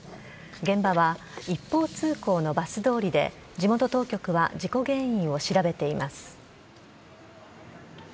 現場は一方通行のバス通りで地元当局は事故原因を調べています。